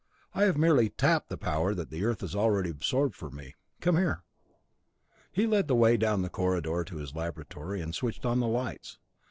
I have merely tapped the power that the Earth has already absorbed for me. Come here." He led the way down the corridor to his laboratory, and switched on the lights.